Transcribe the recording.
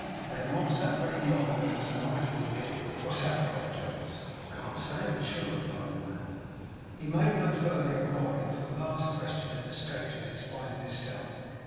They had not sat very long, when there was a knocking within. 'What's that?' cried Jonas. 'Can't say, I'm sure,' replied the man. He made no further inquiry, for the last question had escaped him in spite of himself.